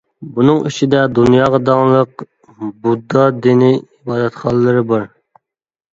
بۇنىڭ ئىچىدە دۇنياغا داڭلىق بۇددا دىنى ئىبادەتخانىلىرى بار.